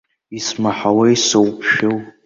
Исмаҳауеи, соуԥшәыл!